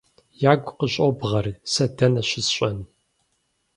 - Ягу къыщӀобгъэр сэ дэнэ щысщӀэн?